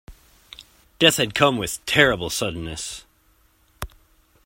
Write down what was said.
Death had come with terrible suddenness.